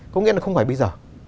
có nghĩa là không phải bây giờ